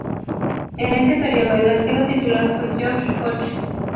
En ese periodo el arquero titular fue Georg Koch.